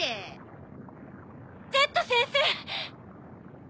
・Ｚ先生！